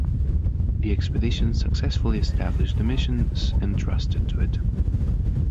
The expedition successfully established the missions entrusted to it.